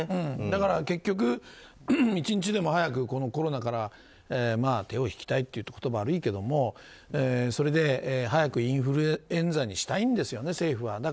だから結局１日でも早くコロナから手を引きたいといえば言葉が悪いけどもそれで早くインフルエンザにしたいんですよね、政府は。